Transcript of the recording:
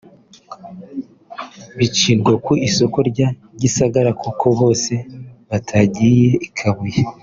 bicirwa ku isoko rya Gisagara kuko bose batagiye i Kabuye